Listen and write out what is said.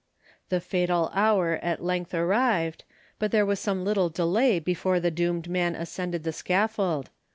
The fatal hour at length arrived, but there was some little delay before the doomed man ascended the scaffold.